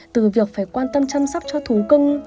từ việc phải quan tâm chăm sóc cho thú cưng